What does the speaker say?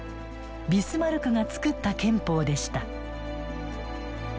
ビスマルクが作った憲法でした。